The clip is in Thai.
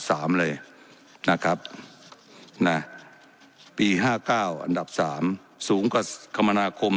สามเลยนะครับนะปีห้าเก้าอันดับสามสูงกว่าคมนาคม